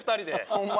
ホンマ？